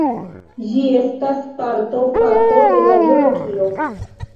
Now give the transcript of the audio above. Ĝi estas parta fako de la geologio.